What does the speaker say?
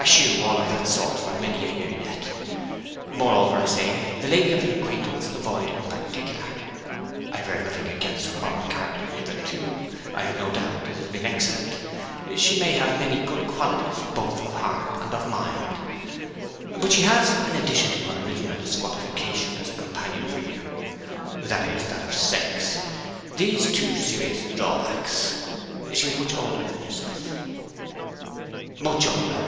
Eschew all of that sort for many a year yet. Moreover, I say, the lady of your acquaintance avoid in particular. I have heard nothing against her moral character hitherto; I have no doubt it has been excellent. She may have many good qualities, both of heart and of mind. But she has, in addition to her original disqualification as a companion for you (that is, that of sex), these two serious drawbacks: she is much older than yourself ' 'Much older!'